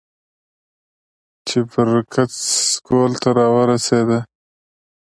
چې بر کڅ سکول ته راورسېدۀ ـ